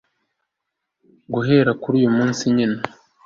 guhera kuri uyumunsi nyine